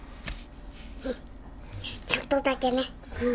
うん、ちょっとだけね。